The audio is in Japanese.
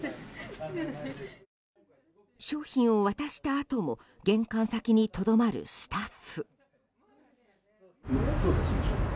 商品を渡したあとも玄関先にとどまるスタッフ。